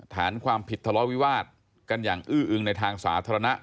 ฐานความผิดทะเลาะวิวาสกันอย่างอื้ออึงในทางสาธารณะ